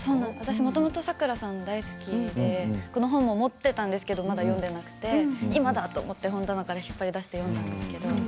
もともとさくらさんが大好きでこの本も持っていたんですが、まだ読んでいなくて今だと思って書棚から引っ張り出して読みました。